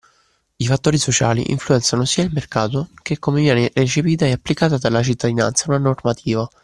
I fattori sociali influenzano sia il mercato che come viene recepita e applicata dalla cittadinanza una normativa